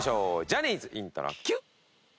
ジャニーズイントロＱ！